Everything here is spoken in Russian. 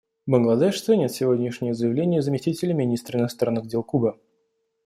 Бангладеш ценит сегодняшнее заявление заместителя министра иностранных дел Кубы.